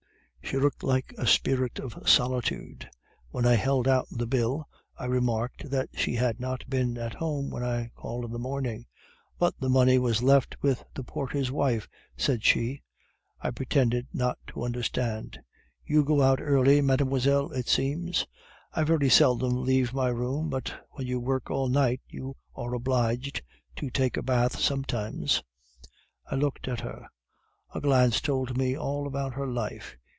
She looked like a spirit of solitude. When I held out the bill, I remarked that she had not been at home when I called in the morning. "'"But the money was left with the porter's wife," said she. "'I pretended not to understand. "'"You go out early, mademoiselle, it seems." "'"I very seldom leave my room; but when you work all night, you are obliged to take a bath sometimes." "'I looked at her. A glance told me all about her life.